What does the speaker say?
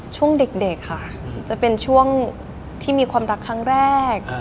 ช่วงเด็กค่ะจะเป็นช่วงที่มีความรักครั้งแรก